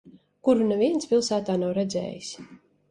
Kuru neviens pilsētā nav redzējis.